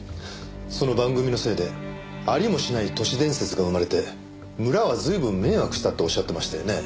その番組のせいでありもしない都市伝説が生まれて村は随分迷惑したっておっしゃってましたよね？